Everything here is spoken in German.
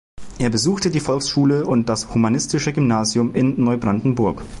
Er besuchte die Volksschule und das Humanistische Gymnasium in Neubrandenburg.